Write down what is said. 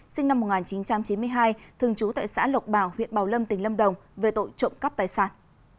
sinh năm một nghìn chín trăm chín mươi hai thường trú tại xã lộc bảo huyện bảo lâm tỉnh lâm đồng về tội trộm cắp tài sản